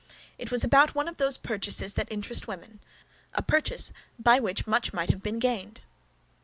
"It was about one of those purchases that interest women—a purchase by which much might have been gained."